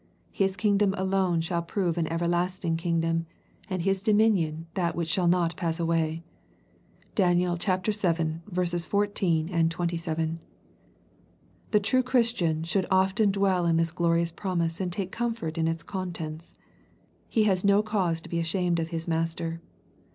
His kingdom alone shall prove an everlasting kingdom, and His dominion that which shall not pass away. (Dan. vii. 14, 27.) The true Christian should often dwell on this glorious promise and take comfort in its contents. He has no cause to be ashamed of his Master.